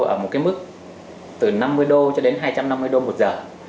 ở một cái mức từ năm mươi đô cho đến hai trăm năm mươi đô một giờ